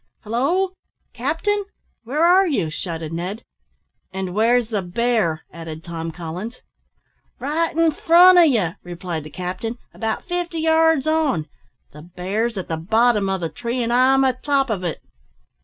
"Halloo! captain, where are you?" shouted Ned. "And where's the bear!" added Tom Collins. "Right in front o' you," replied the captain, "about fifty yards on. The bear's at the bottom o' the tree, and I'm a top of it.